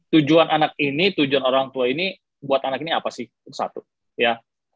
tujuan anak ini tujuan orang tua ini buat anak ini apa sih satu ya